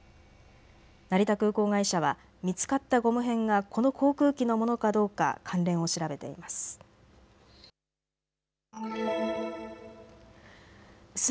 成田空港会社は見つかったゴム片がこの航空機のものかどうか関連を調べています。